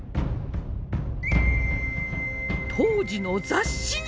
当時の雑誌にも！